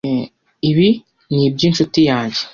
Ibi ni ibyinshuti yanjye.